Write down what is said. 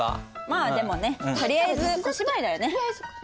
まあでもねとりあえず小芝居だよね。